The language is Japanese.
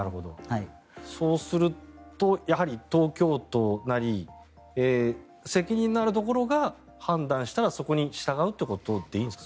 そうするとやはり東京都なり責任のあるところが判断したら、そこに従うということでいいんですか？